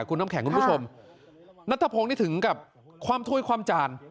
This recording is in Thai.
คุณน้ำแข็งคุณผู้ชมนัทธพงศ์นี่ถึงกับความถ้วยความจาน